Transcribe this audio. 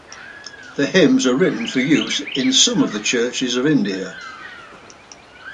The hymns are written for use in some of the churches of India.